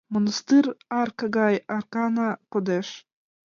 Манастыр арка гай аркана кодеш.